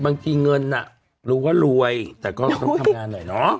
บางทีเงินน่ะรู้ว่ารวยแต่ก็ต้องทำงานหน่อยเนาะ